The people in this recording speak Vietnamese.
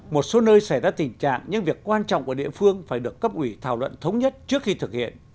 một số nơi xảy ra tình trạng nhưng việc quan trọng của địa phương phải được cấp ủy thảo luận thống nhất trước khi thực hiện